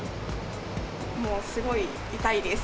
もうすごい痛いです。